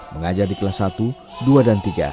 mengajar di kelas satu dua dan tiga